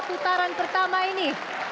putaran pertama ini